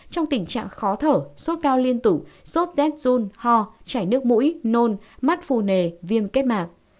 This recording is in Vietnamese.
trong tình trạng khó thở sốt cao liên tụ sốt dết run ho trải nước mũi nôn mắt phù nề viêm kết mạc